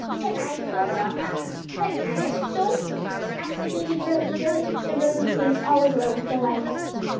"Tan I do, mamma? tan Annis do?" asked the baby girl eagerly, the rosy face all aglow with delight.